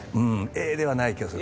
Ａではない気がする。